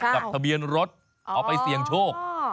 ทะเบียนรถเอาไปเสี่ยงโชค